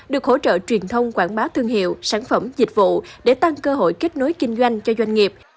được hỗ trợ truyền thông quảng bá thương hiệu sản phẩm dịch vụ để tăng cơ hội kết nối kinh doanh cho doanh nghiệp